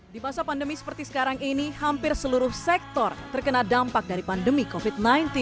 di masa pandemi seperti sekarang ini hampir seluruh sektor terkena dampak dari pandemi covid sembilan belas